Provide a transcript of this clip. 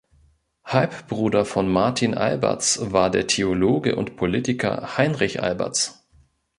Halbbruder von Martin Albertz war der Theologe und Politiker Heinrich Albertz.